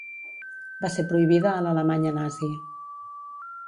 Va ser prohibida a l'Alemanya nazi.